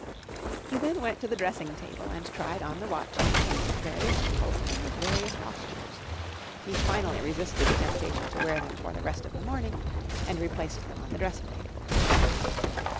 He then went to the dressing table and tried on the watch and chain at various angles and with various postures. He finally resisted the temptation to wear them for the rest of the morning and replaced them on the dressing table.